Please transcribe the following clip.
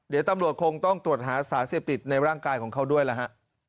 เดี๋ยวตำรวจคงต้องตรวจหาสารเสพติดในร่างกายของเขาด้วยล่ะฮะ